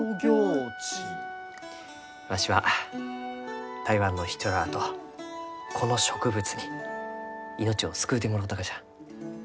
わしは台湾の人らあとこの植物に命を救うてもろうたがじゃ。